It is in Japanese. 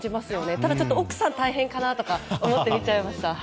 ただ、ちょっと奥さん大変かなと思って見ちゃいました。